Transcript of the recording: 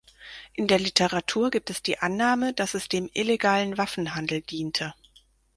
In der Literatur gibt es die Annahme, dass es dem illegalen Waffenhandel diente.